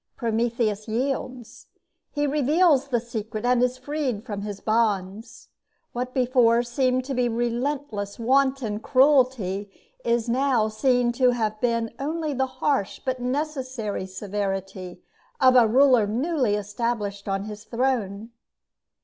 Prometheus yields. He reveals the secret and is freed from his bonds. What before seemed to be relentless wanton cruelty is now seen to have been only the harsh but necessary severity of a ruler newly established on his throne.